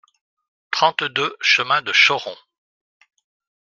trente-deux chemin de Chauron